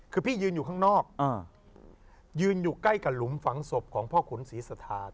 คือพี่ยืนอยู่ข้างนอกยืนอยู่ใกล้กับหลุมฝังศพของพ่อขุนศรีสถาน